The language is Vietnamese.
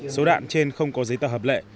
số đạn trên không có giấy tờ hợp lệ